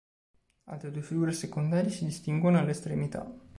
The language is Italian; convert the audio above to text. Altre due figure secondarie si distinguono alle estremità.